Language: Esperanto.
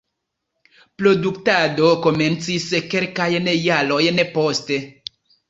Produktado komencis kelkajn jarojn poste.